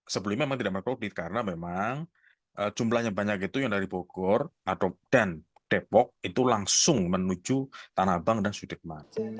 sebelumnya memang tidak mengakudit karena memang jumlahnya banyak itu yang dari bogor dan depok itu langsung menuju tanah abang dan sudirman